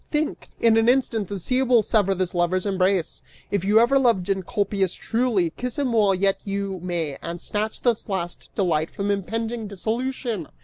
Think! In an instant the sea will sever this lover's embrace! If you ever loved Encolpius truly, kiss him while yet you may and snatch this last delight from impending dissolution!"